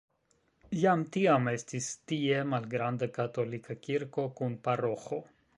Jam tiam estis tie malgranda katolika kirko kun paroĥo.